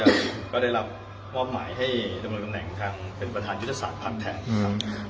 ผมก็ได้รับมอบหมายให้ดำเนินกำแหน่งเป็นประธานยุทธศาสตร์ภาคแทน